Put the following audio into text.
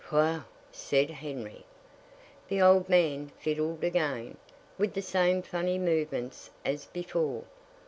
"Whew!" said Henry. The old man fiddled again, with the same funny movements as before.